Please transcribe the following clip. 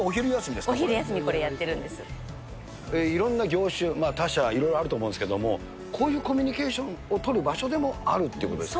お昼休みにこれやってるんでいろんな業種、他社いろいろあると思うんですけど、こういうコミュニケーションを取る場所でもあるってことですか。